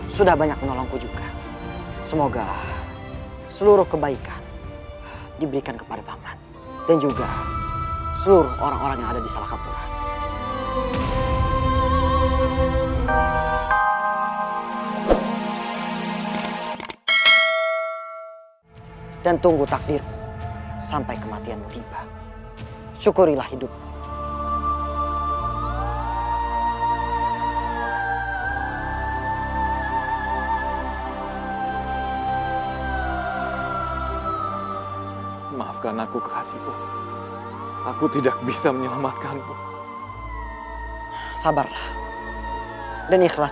sabarlah dan ikhlaskanlah dia